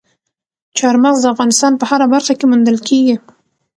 چار مغز د افغانستان په هره برخه کې موندل کېږي.